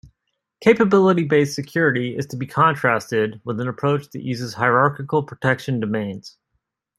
Capability-based security is to be contrasted with an approach that uses hierarchical protection domains.